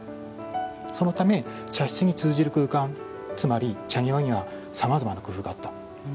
そのため、茶室に通じる空間つまり茶庭にはさまざまな苦痛があった。